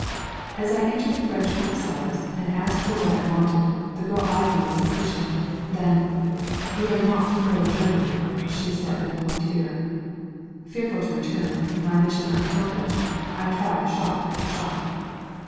As I entered the French bookseller's, and asked for what I wanted, the girl eyed me with suspicion. Then, "We are not pro German," she said with hauteur. Fearful to return, my mission unaccomplished, I tried shop after shop.